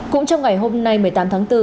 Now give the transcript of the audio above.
cũng trong ngày hôm nay một mươi tám tháng bốn